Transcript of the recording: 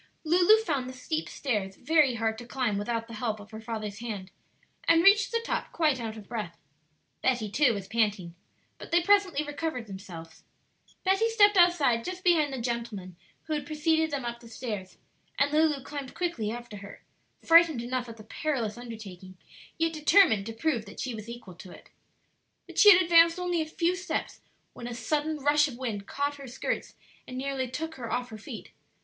Lulu found the steep stairs very hard to climb without the help of her father's hand, and reached the top quite out of breath. Betty too was panting. But they presently recovered themselves. Betty stepped outside just behind the gentleman who had preceded them up the stairs, and Lulu climbed quickly after her, frightened enough at the perilous undertaking, yet determined to prove that she was equal to it. But she had advanced only a few steps when a sudden rush of wind caught her skirts and nearly took her off her feet.